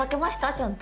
ちゃんと。